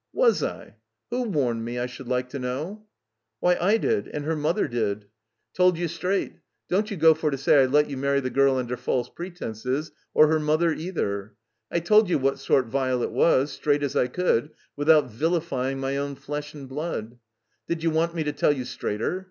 "Was I? Who warned me, I should like to know?" "Why, I did, and her mothei: diA, T^^ l^^f^ if THE COMBINED MAZE straight. Don't you go for to say that I let you marry the girl under false pretenses, or her mother either. I told you what sort Virelet was, straight as I could, without vilifying my own flesh and blood. Did you want me to tell you straighter?